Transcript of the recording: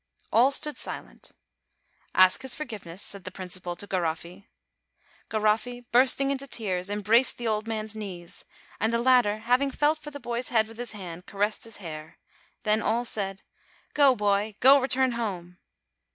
All stood silent. "Ask his forgiveness," said the principal to Garofrl. Garofrl, bursting into tears, embraced the old man's knees, and the latter, having felt for the boy's head with his hand, caressed his hair. Then all said : "Go, boy! go, return home."